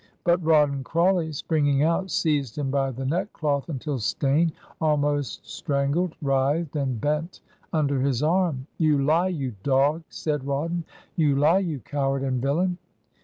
... But Rawdon Crawley, springing out, seized him by the neckcloth tmtil Steyne, almost strangled, writhed and bent under his arm. 'You lie, you dog I' said Rawdon. 'You lie, you coward and villain.'